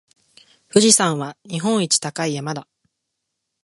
富士山は日本一高い山だ。